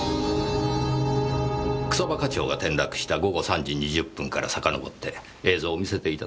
草葉課長が転落した午後３時２０分からさかのぼって映像を見せていただけますか。